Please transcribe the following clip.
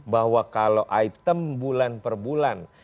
bahwa kalau item bulan per bulan